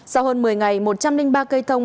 sau hơn một mươi ngày một trăm linh ba cây thông